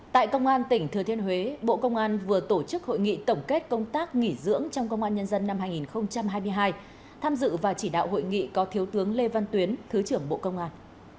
tại công an tỉnh thừa thiên huế bộ công an vừa tổ chức hội nghị tổng kết công tác nghỉ dưỡng trong công an nhân dân năm hai nghìn hai mươi hai tham dự và chỉ đạo hội nghị có thiếu tướng lê văn tuyến thứ trưởng bộ công an